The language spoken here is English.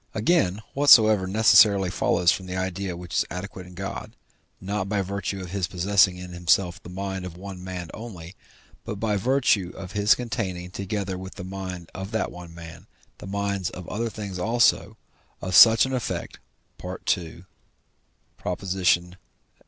Again, whatsoever necessarily follows from the idea which is adequate in God, not by virtue of his possessing in himself the mind of one man only, but by virtue of his containing, together with the mind of that one man, the minds of other things also, of such an effect (II. xi.